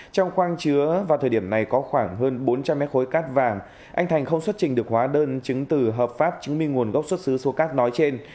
trong khoang chứa vào thời điểm này có khoảng hơn bốn trăm linh mét khối cát vàng anh thành không xuất trình được hóa đơn chứng từ hợp pháp chứng minh nguồn gốc xuất xứ số cát nói trên